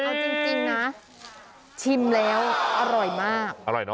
เอาจริงนะชิมแล้วอร่อยมาก